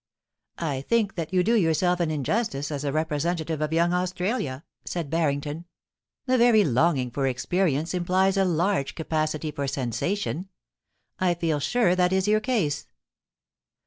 * I think that you do yourself injustice as a representative of young Australia,' said Barrington. * The very longing for experience implies a large capacity for sensation. I feel sure that is your case.'